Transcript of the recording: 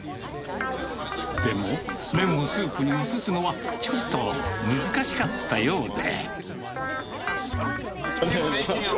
でも、麺をスープに移すのは、ちょっと難しかったようで。